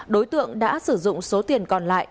đối tượng đã sử dụng số tiền còn lại